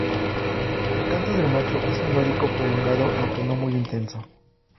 El canto del macho es melódico, prolongado, aunque no muy intenso.